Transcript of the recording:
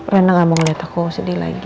rena gak mau liat aku sedih lagi